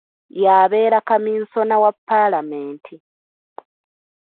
Yabeera kaminsona wa Palamenti.